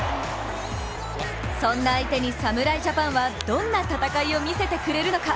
そんな相手に侍ジャパンはどんな戦いを見せてくれるのか。